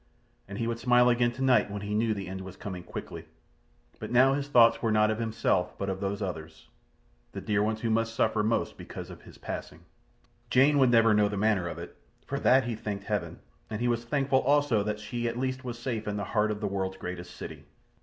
And he would smile again tonight when he knew the end was coming quickly; but now his thoughts were not of himself, but of those others—the dear ones who must suffer most because of his passing. Jane would never know the manner of it. For that he thanked Heaven; and he was thankful also that she at least was safe in the heart of the world's greatest city.